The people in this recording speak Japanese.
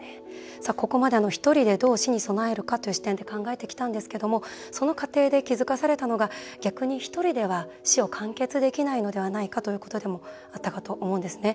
ここまでひとりでどう死に備えるかという視点で考えてきたんですけどもその過程で気付かされたのが逆にひとりでは死を完結できないのではないかということでもあったかと思うんですね。